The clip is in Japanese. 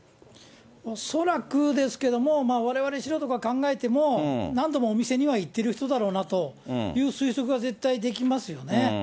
恐らくですけども、われわれ素人が考えても、何度もお店には行ってる人だろうなという推測は絶対できますよね。